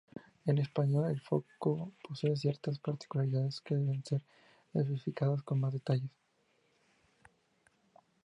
En español, el foco posee ciertas particularidades que deben ser especificadas con más detalles.